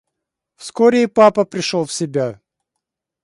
Вскоре и папа пришел в себя.